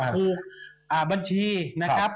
คือบัญชีนะครับ